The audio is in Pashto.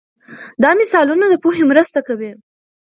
دا مثالونه د پوهې مرسته کوي.